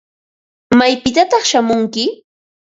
¿Maypitataq shamunki?